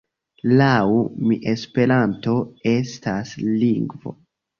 Laŭ mi Esperanto estas lingvo.